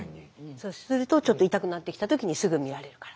そうするとちょっと痛くなってきた時にすぐ見られるから。